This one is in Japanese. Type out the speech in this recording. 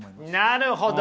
なるほど！